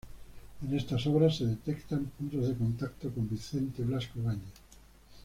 En estas obras se detectan puntos de contacto con Vicente Blasco Ibáñez.